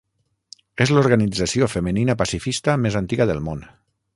És l'organització femenina pacifista més antiga del món.